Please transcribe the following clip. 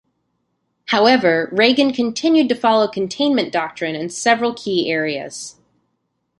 However, Reagan continued to follow containment doctrine in several key areas.